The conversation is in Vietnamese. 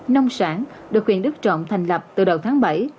nông sản được huyện đức trọng thành lập từ đầu tháng bảy